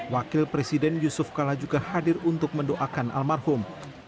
wakil presiden yusuf kala juga hadir untuk mendoakan almarhum